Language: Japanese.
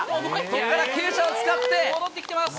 ここから傾斜を使って、戻ってきてます。